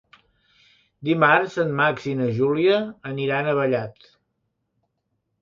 Dimarts en Max i na Júlia aniran a Vallat.